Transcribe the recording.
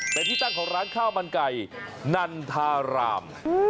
เป็นที่ตั้งของร้านข้าวมันไก่นันทาราม